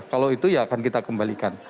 kalau itu ya akan kita kembalikan